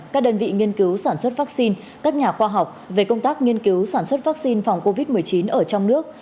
các đơn vị nghiên cứu sản xuất vaccine các nhà khoa học về công tác nghiên cứu sản xuất vaccine phòng covid một mươi chín ở trong nước